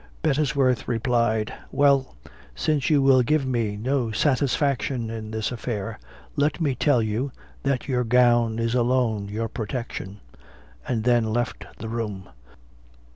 Bettesworth replied, "Well, since you will give me no satisfaction in this affair, let me tell you, that your gown is alone your protection," and then left the room.